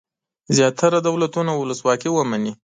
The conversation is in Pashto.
زیاتره دولتونه ولسواکي ومني.